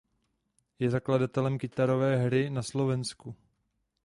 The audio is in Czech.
Je zakladatelem kytarové hry na Slovensku.